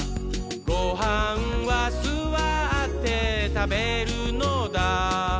「ごはんはすわってたべるのだ」